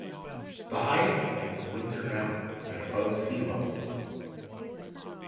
The highest point is Windsor Mountain, at above sea level.